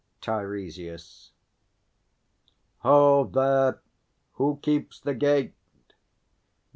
_ TEIRESIAS. Ho, there, who keeps the gate?